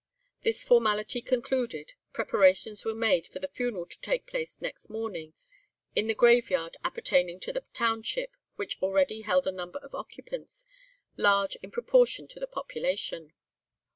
This formality concluded, preparations were made for the funeral to take place next morning in the graveyard appertaining to the township, which already held a number of occupants, large in proportion to the population.